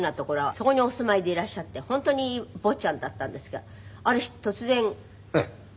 そこにお住まいでいらっしゃって本当に坊ちゃんだったんですがある日突然お家が。